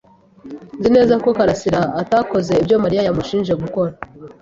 Nzi neza ko karasira atakoze ibyo Mariya yamushinje gukora.